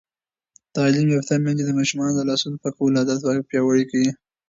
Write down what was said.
تعلیم یافته میندې د ماشومانو د لاسونو پاکولو عادت پیاوړی کوي.